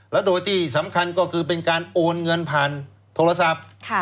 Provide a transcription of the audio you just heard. และโดยที่สำคัญก็คือเป็นการโอนเงินผ่านโทรศัพท์